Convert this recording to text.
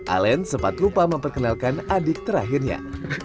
alen sempat lupa memperkenalkan adik terakhirnya